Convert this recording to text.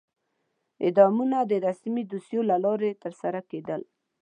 اعدامونه د رسمي دوسیو له لارې ترسره کېدل.